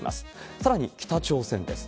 さらに北朝鮮です。